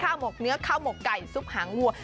หมกเนื้อข้าวหมกไก่ซุปหางวัว